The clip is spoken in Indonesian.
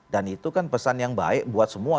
dan itu kan pesan yang baik buat semua